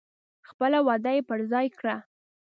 خپله وعده یې پر ځای کړه.